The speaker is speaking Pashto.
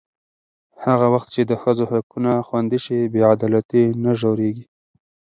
هغه وخت چې د ښځو حقونه خوندي شي، بې عدالتي نه ژورېږي.